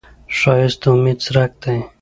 ښایست د امید څرک دی